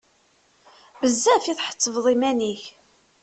Bezzaf i tḥettbeḍ iman-ik!